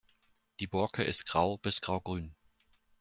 Die Borke ist grau bis graugrün.